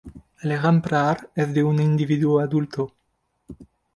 El ejemplar es de un individuo adulto.